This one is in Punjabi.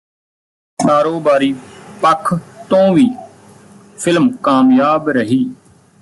ਕਾਰੋਬਾਰੀ ਪੱਖ ਤੋਂ ਵੀ ਫਿਲਮ ਕਾਮਯਾਬ ਰਹੀ